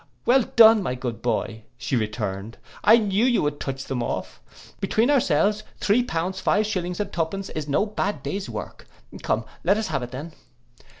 '—'Well done, my good boy,' returned she, 'I knew you would touch them off. Between ourselves, three pounds five shillings and two pence is no bad day's work. Come, let us have it then.